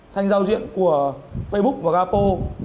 thanh giao diện của facebook và gapo